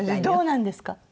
どうなんですか？